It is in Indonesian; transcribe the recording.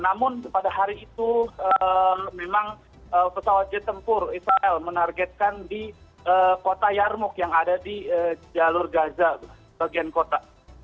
namun pada hari itu memang pesawat jet tempur israel menargetkan di kota yarmuk yang ada di jalur gaza bagian kota